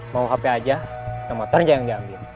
mau hape aja sama ternyata yang diambil